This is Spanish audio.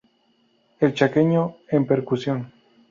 El chaqueño en percusión.